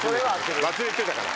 忘れてたから！